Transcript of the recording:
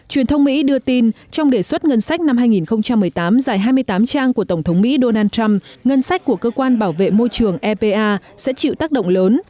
truyền thông mỹ đưa tin trong đề xuất ngân sách năm hai nghìn một mươi tám dài hai mươi tám trang của tổng thống mỹ donald trump ngân sách của cơ quan bảo vệ môi trường epa sẽ chịu tác động lớn